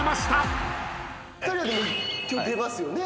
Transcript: ２人は今日出ますよね。